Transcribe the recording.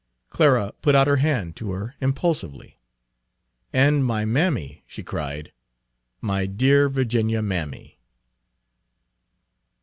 Clara put out her hand to her impulsively. "And my mammy," she cried, "my dear Virginia mammy."